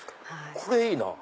これいいなぁ。